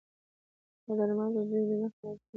دا درمل د ډوډی مخکې خوړل کېږي